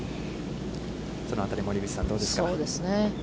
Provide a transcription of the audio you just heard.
そのあたり、森口さんはどうですか。